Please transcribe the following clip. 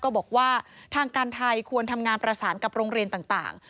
บอกว่าทางการไทยควรทำงานประสานกับโรงเรียนต่าง